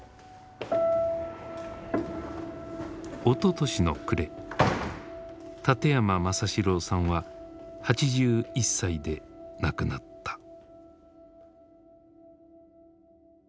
おととしの暮れ館山政四郎さんは８１歳で亡くなった。